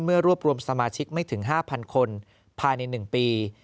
เมื่อรวบรวมสมาชิกไม่ถึง๕๐๐๐คนผ่านใน๑ปี